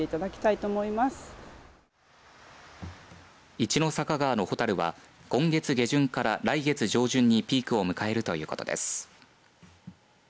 一の坂川の蛍は今月下旬から来月上旬にピークを迎えるということです。